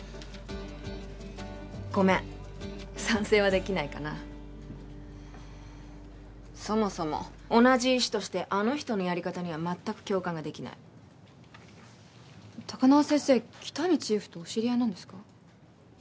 ごめん賛成はできないかなそもそも同じ医師としてあの人のやり方には全く共感ができない高輪先生喜多見チーフとお知り合いなんですか？